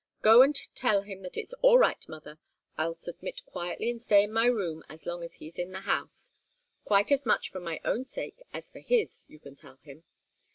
Go and tell him that it's all right, mother. I'll submit quietly and stay in my room as long as he's in the house quite as much for my own sake as for his, you can tell him.